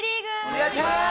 お願いします！